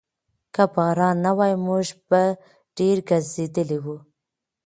که باران نه وای، موږ به ډېر ګرځېدلي وو.